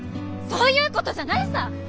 そういうことじゃないさぁ！